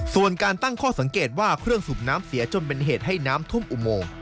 ส่วนการตั้งข้อสังเกตว่าเครื่องสูบน้ำเสียจนเป็นเหตุให้น้ำท่วมอุโมง